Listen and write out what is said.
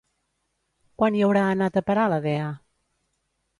Quan hi hauria anat a parar la dea?